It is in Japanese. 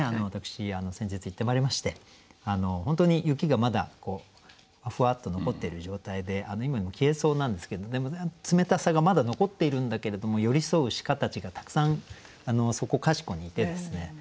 私先日行ってまいりまして本当に雪がまだふわっと残ってる状態で今にも消えそうなんですけどでも冷たさがまだ残っているんだけれども寄り添う鹿たちがたくさんそこかしこにいてですね